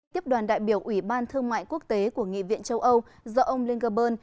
tiếp đoàn đại biểu ủy ban thương mại quốc tế của nghị viện châu âu do ông linkerburn